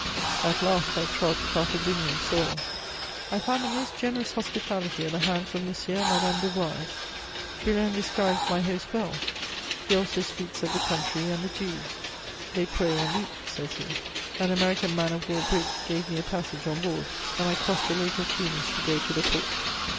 At last I trod Carthaginian soil. I found the most generous hospitality at the hands of M. and Madame Devoise. Julien describes my host well; he also speaks of the country and the Jews: "They pray and weep," says he. An American man of war brig gave me a passage on board, and I crossed the lake of Tunis to go to the port.